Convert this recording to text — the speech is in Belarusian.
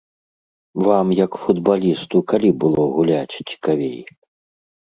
Вам, як футбалісту, калі было гуляць цікавей?